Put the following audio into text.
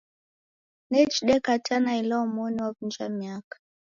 Nechi dekatana ela omoni waw'unja miaka.